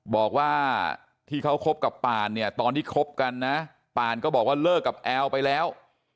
บอกว่าที่เขาคบกับปานเนี่ยตอนที่คบกันนะปานก็บอกว่าเลิกกับแอลไปแล้ว